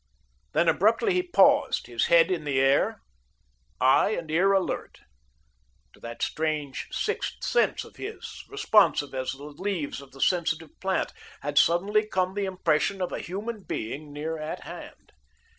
Then abruptly he paused, his head in the air, eye and ear alert. To that strange sixth sense of his, responsive as the leaves of the sensitive plant, had suddenly come the impression of a human being near at hand.